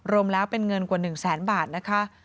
รวมแล้วเป็นเงินกว่า๑แสนบาทนะคะ